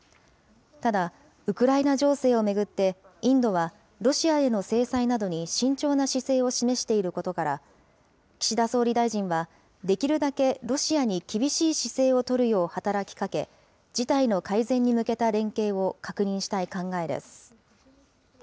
ただ、ウクライナ情勢を巡って、インドはロシアへの制裁などに慎重な姿勢を示していることから、岸田総理大臣は、できるだけロシアに厳しい姿勢を取るよう働きかけ、事態の改善に向けた連携を確認したい考えです。